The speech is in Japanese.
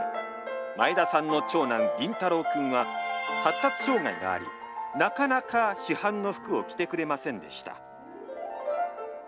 前田さんの長男、凛太朗君は発達障害がありなかなか市販の服を着てくれませんでした。